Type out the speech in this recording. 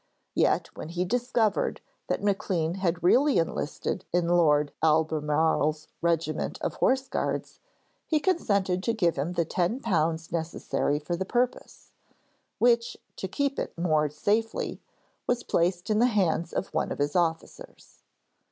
Yet when he discovered that Maclean had really enlisted in Lord Albemarle's regiment of horse guards, he consented to give him the ten pounds necessary for the purpose, which, to keep it the more safely, was placed in the hands of one of the officers.